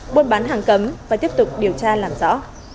buôn bán hàng cấm và tiếp tục điều tra làm rõ